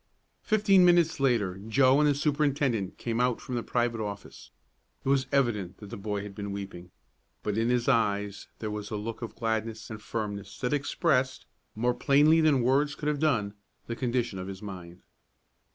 Fifteen minutes later Joe and the superintendent came out from the private office. It was evident that the boy had been weeping; but in his eyes there was a look of gladness and firmness that expressed, more plainly than words could have done, the condition of his mind.